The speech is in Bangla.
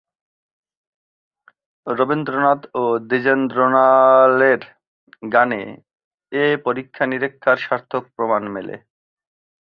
রবীন্দ্রনাথ ও দ্বিজেন্দ্রলালের গানে এ পরীক্ষা-নিরীক্ষার সার্থক প্রমাণ মেলে।